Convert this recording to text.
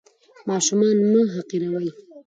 ماشومان مه تحقیروئ.